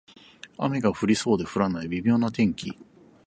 雨が降りそうで降らない微妙な天気